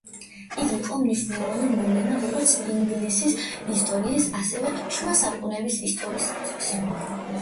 იგი იყო მნიშვნელოვანი მოვლენა, როგორც ინგლისის ისტორიის, ასევე შუა საუკუნეების ისტორიისათვის.